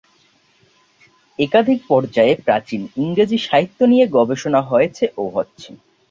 একাধিক পর্যায়ে প্রাচীন ইংরেজি সাহিত্য নিয়ে গবেষণা হয়েছে ও হচ্ছে।